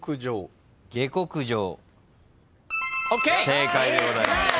正解でございます。